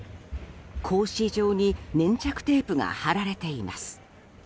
格子状に粘着テープが貼られています。